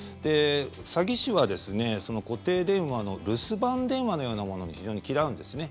詐欺師は、固定電話の留守番電話のようなものを非常に嫌うんですね。